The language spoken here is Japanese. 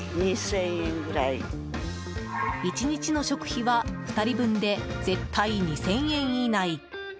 １日の食費は２人分で絶対２０００円以内。